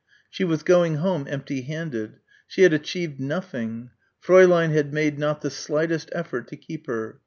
She was going home empty handed. She had achieved nothing. Fräulein had made not the slightest effort to keep her.